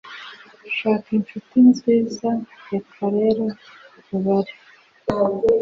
Shaka inshuti nziza Reka rero tubare